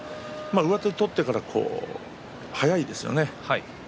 上手を取ってから速いですよね。